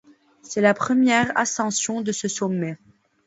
C'est la première ascension de ce sommet.